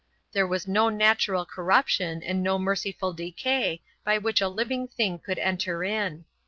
There was no natural corruption and no merciful decay by which a living thing could enter in.